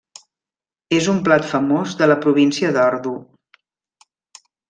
És un plat famós de la Província d'Ordu.